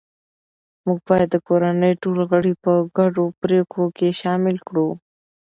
موږ باید د کورنۍ ټول غړي په ګډو پریکړو کې شامل کړو